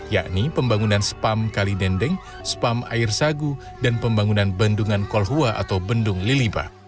yakni pembangunan spam kali dendeng spam air sagu dan pembangunan bendungan kolhua atau bendung liliba